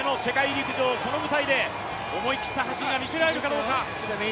陸上その舞台で思い切った走りが見せられるかどうか。